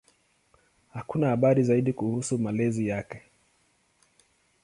Hakuna habari zaidi kuhusu malezi yake.